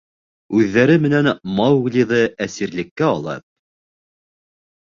Үҙҙәре менән Мауглиҙы әсирлеккә алып...